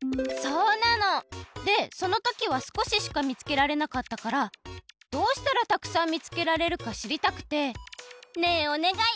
そうなの！でそのときは少ししか見つけられなかったからどうしたらたくさん見つけられるかしりたくて。ねえおねがい！